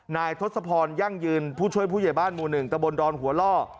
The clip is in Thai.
ทศพรยั่งยืนผู้ช่วยผู้ใหญ่บ้านหมู่๑ตะบนดอนหัวล่อ